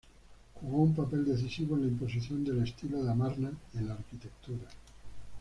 Jugó un papel decisivo en la imposición del 'estilo de Amarna' en la arquitectura.